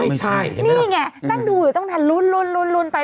ไม่ใช่นี่ไงนั่นดูต้องทันรุนไป